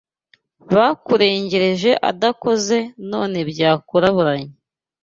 Bakurengereje adakoze none byakuraburanye